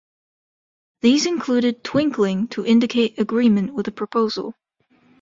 These included twinkling to indicate agreement with a proposal.